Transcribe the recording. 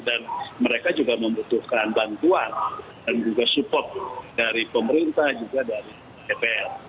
dan mereka juga membutuhkan bantuan dan juga support dari pemerintah juga dari dpr